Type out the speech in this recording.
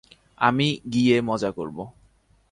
আমি গিয়ে মজা করব।